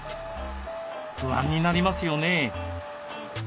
不安になりますよね。